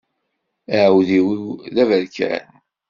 Aεudiw-iw d aberkan.